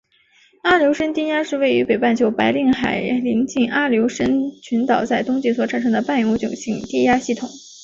阿留申低压是位于北半球白令海邻近阿留申群岛在冬季所产生的半永久性低压系统。